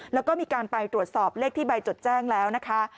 แล้วก็มีการไปตรวจสอบเลขที่ใบจดแจ้งแล้วนะคะ